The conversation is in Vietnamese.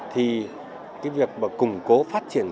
thì cái việc mà củng cố phát triển